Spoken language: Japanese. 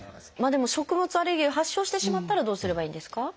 でも食物アレルギーを発症してしまったらどうすればいいんですか？